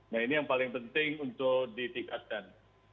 nah ini yang paling penting untuk ditingkatkan